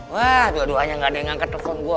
wah doa doanya gak ada yang ngangkat telepon gue